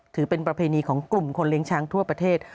ถือเป็นประเพณีของกลุ่มคนเลี้ยงช้างทั่วประเทศ